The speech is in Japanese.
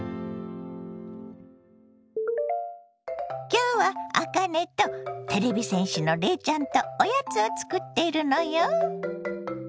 今日はあかねとてれび戦士のレイちゃんとおやつを作っているのよ。